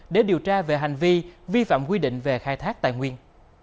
để điều tra về hành vi vi phạm quy định về khai thác tài nguyên